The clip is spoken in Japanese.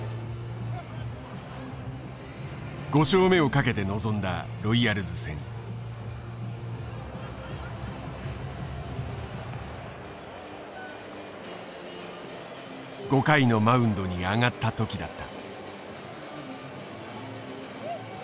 ５勝目をかけて臨んだロイヤルズ戦。５回のマウンドに上がった時だった。